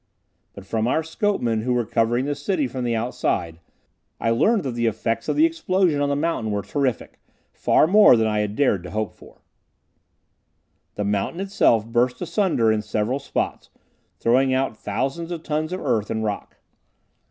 But from our scopemen who were covering the city from the outside, I learned that the effects of the explosion on the mountain were terrific; far more than I had dared to hope for. The mountain itself burst asunder in several spots, throwing out thousands of tons of earth and rock.